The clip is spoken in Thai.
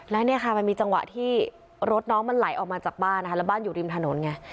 แล้วเนี่ยค่ะมันมีจังหวะที่รถน้องมันไหลออกมาจากบ้านนะคะแล้วบ้านอยู่ริมถนนไง